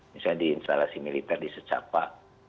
misalnya di instalasi militer di secapa